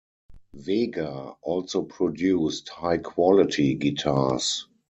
Vega also produced high quality guitars.